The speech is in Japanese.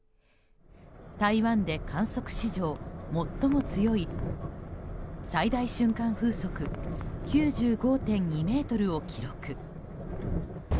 台湾で観測史上最も強い最大瞬間風速９５．２メートルを記録。